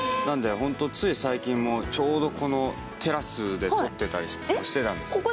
つい最近もちょうどこのテラスで撮ってたりしたんです。